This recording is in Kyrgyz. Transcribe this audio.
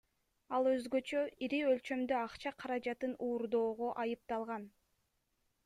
Ал өзгөчө ири өлчөмдө акча каражатын уурдоого айыпталган.